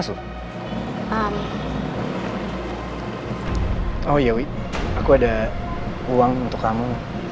oh ya wi aku ada uang untuk kamu